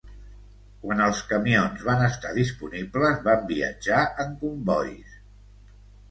Quan els camions van estar disponibles, van viatjar en combois.